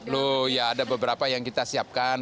loh ya ada beberapa yang kita siapkan